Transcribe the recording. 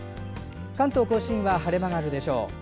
関東・甲信は晴れ間があるでしょう。